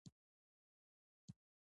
ایا ټولنپوهنه یوازې د نظریاتو په اړه ده؟